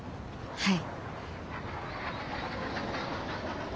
はい。